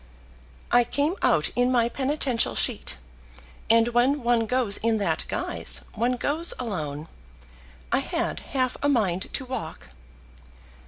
"I came out in my penitential sheet, and when one goes in that guise, one goes alone. I had half a mind to walk."